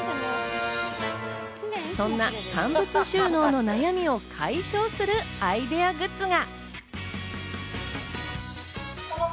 そんな乾物収納の悩みを解消するアイデアグッズが。